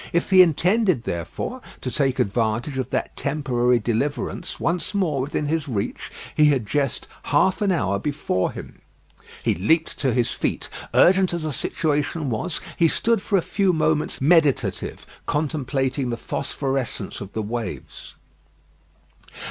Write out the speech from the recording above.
If he intended, therefore, to take advantage of that temporary deliverance once more within his reach, he had just half an hour before him. He leaped to his feet. Urgent as the situation was, he stood for a few moments meditative, contemplating the phosphorescence of the waves.